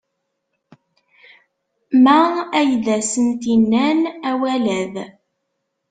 Ma ay d asent-innan awal-ad?